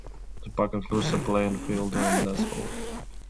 The park includes a playing field and dance hall.